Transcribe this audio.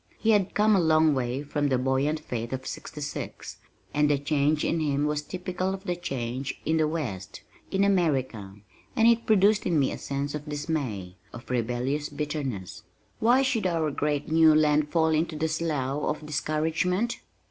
He had come a long way from the buoyant faith of '66, and the change in him was typical of the change in the West in America and it produced in me a sense of dismay, of rebellious bitterness. Why should our great new land fall into this slough of discouragement?